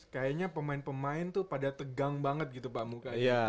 kayaknya pemain pemain tuh pada tegang banget gitu pak muka